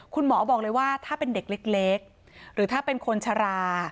คุณหมอบอกเลยว่าถ้าเป็นเด็กเล็กหรือถ้าเป็นคนชรา